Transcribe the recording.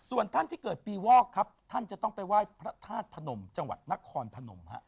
ส่วนท่านที่เกิดปีวอกครับท่านจะต้องไปไหว้พระธาตุพนมจังหวัดนครพนมฮะ